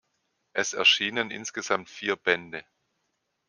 Es erschienen insgesamt vier Bände.